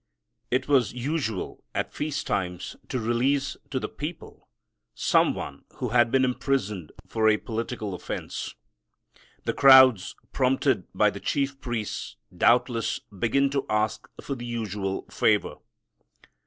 It was usual at feast times to release to the people some one who had been imprisoned for a political offense. The crowds, prompted by the chief priests, doubtless, begin to ask for the usual favor.